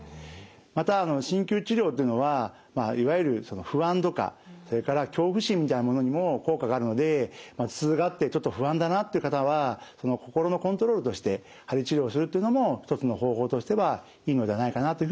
また鍼灸治療というのはいわゆるその不安とかそれから恐怖心みたいなものにも効果があるので頭痛があってちょっと不安だなっていう方はその心のコントロールとして鍼治療をするというのも一つの方法としてはいいのではないかなという